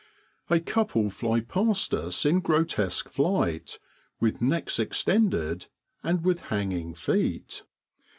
A couple fly past us in grotesque flight, with necks extended, and with hanging feet.